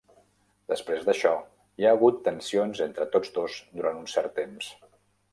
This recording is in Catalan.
Després d'això, hi ha hagut tensions entre tots dos durant un cert temps.